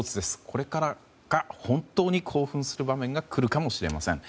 これからが本当に興奮する場面が来るかもしれません。